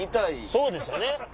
そうですよね。